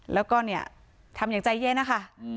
แล้วก็เนี่ยทำอย่างใจเย็นนะคะ